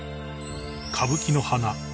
［歌舞伎の華］